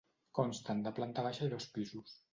Consten de planta baixa i dos pisos.